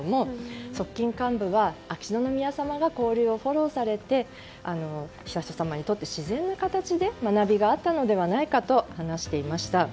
側近幹部は、秋篠宮さまが交流をフォローされて悠仁さまにとって、自然な形で学びがあったのではないかと話していました。